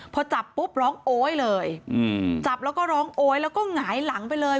พอจับปุ๊บร้องโอ๊ยเลยจับแล้วก็ร้องโอ๊ยแล้วก็หงายหลังไปเลย